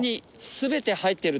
全て入ってる。